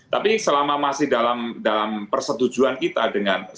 tapi selama masih dalam persetujuan kita dengan